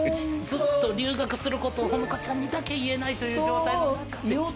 ずっと留学することを穂乃果ちゃんにだけ言えないという状態の中で。